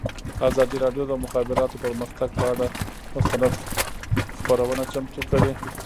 ازادي راډیو د د مخابراتو پرمختګ پر اړه مستند خپرونه چمتو کړې.